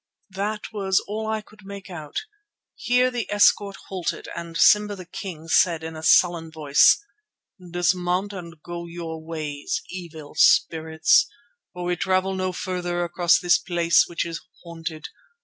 That was all I could make out. Here the escort halted, and Simba the King said in a sullen voice: "Dismount and go your ways, evil spirits, for we travel no farther across this place which is haunted.